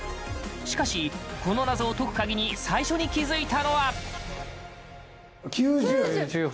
しかし、この謎を解くカギに最初に気付いたのは！